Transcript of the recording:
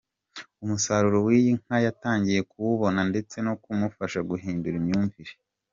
Umusaruro w’iyi nka yatangiye kuwubona ndetse no kumufasha guhindura imyumvire.